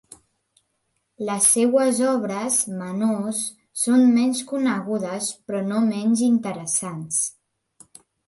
Les seues obres menors són menys conegudes però no menys interessants.